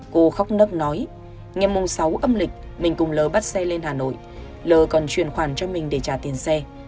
cô khóc ngất nói nghe mùng sáu âm lịch mình cùng l bắt xe lên hà nội l còn truyền khoản cho mình để trả tiền xe